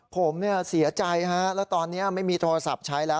ผมเสียใจฮะแล้วตอนนี้ไม่มีโทรศัพท์ใช้แล้ว